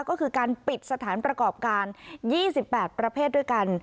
ก็คือการปิดสถานประกอบการ๒๘ประเภทด้วยกัน